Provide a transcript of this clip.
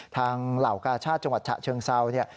เหล่ากาชาติจังหวัดฉะเชิงเซาเนี่ย